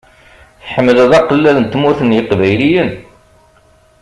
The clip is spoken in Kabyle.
Tḥemmleḍ aqellal n Tmurt n yeqbayliyen?